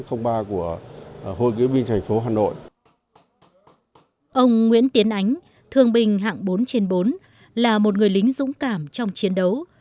ông nguyễn tiến ánh thương binh hạng bốn trên bốn là một người lính dũng cảm trong chiến đấu